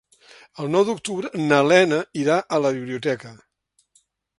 El nou d'octubre na Lena irà a la biblioteca.